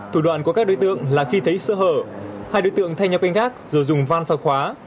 thủ đoạn của các đối tượng là khi thấy sơ hở hai đối tượng thay nhau canh gác rồi dùng van pha khóa